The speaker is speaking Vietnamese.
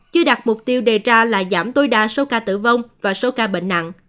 chưa đạt mục tiêu đề ra là giảm tối đa số ca tử vong và số ca bệnh nặng